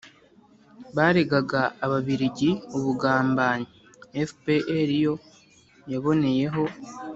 baregaga ababiligi ubugambanyi, fpr yo yaboneyeho